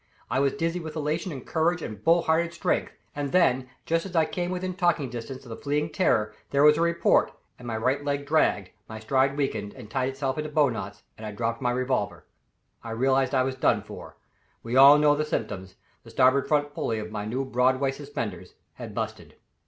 I was dizzy with elation and courage and bull hearted strength, and then, just as I came within talking distance of the fleeing terror, there was a report and my right leg dragged, my stride weakened and tied itself into bowknots, and I dropped my revolver. I realized I was done for. We all know the symptoms the starboard front pulley of my new Broadway suspenders had "busted."